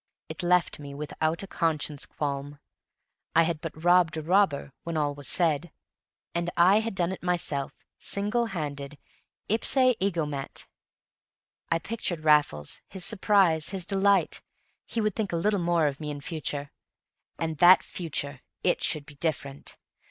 It left me without a conscientious qualm; I had but robbed a robber, when all was said. And I had done it myself, single handed ipse egomet! I pictured Raffles, his surprise, his delight. He would think a little more of me in future. And that future, it should be different.